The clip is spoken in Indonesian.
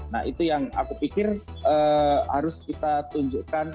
nah itu yang aku pikir harus kita tunjukkan